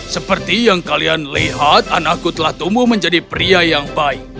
seperti yang kalian lihat anakku telah tumbuh menjadi pria yang baik